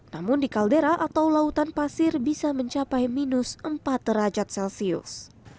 namun di kaldera atau lautan pasir bisa mencapai minus empat derajat celcius